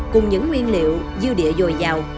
cùng những nguyên liệu dư địa dồi dào